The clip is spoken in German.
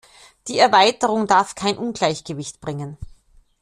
Die Erweiterung darf kein Ungleichgewicht bringen.